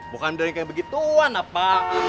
bukan beda kayak begituan apa